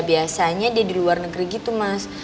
biasanya dia di luar negeri gitu mas